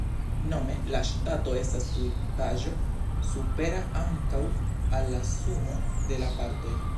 Nome, la Ŝtato estas tutaĵo supera ankaŭ al la sumo de la partoj.